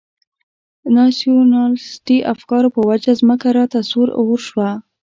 ناسیونالیستي افکارو په وجه مځکه راته سور اور شوه.